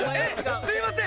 すいません。